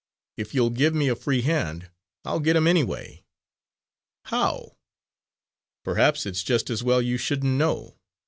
If you'll give me a free hand, I'll get him anyway." "How?" "Perhaps it's just as well you shouldn't know.